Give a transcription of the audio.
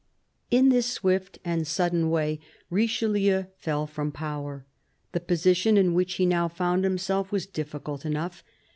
IN this swift and sudden way Richelieu fell from power. The position in which he now found himself was difficult enough.